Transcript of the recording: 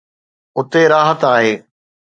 اتي راحت آهي.